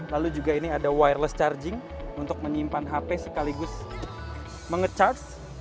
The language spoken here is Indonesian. lalu juga ini ada wireless charging untuk menyimpan hp sekaligus menge charge